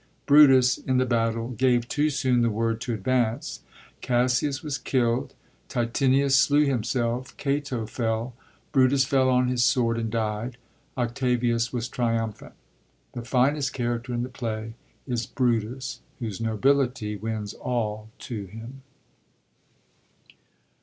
Brutus, in the battle, gave too soon the word to advance. Cassius was killd, Titinius slew himself, Cato fell, Brutus fell on his sword and died; Octavius was triumphant. The finest char acter in the play is Brutus, whose nobility wins all to him.